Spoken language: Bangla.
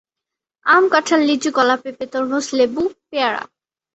আম, কাঁঠাল, লিচু, কলা, পেঁপে, তরমুজ, লেবু, পেয়ারা।